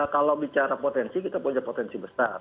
kalau bicara potensi kita punya potensi besar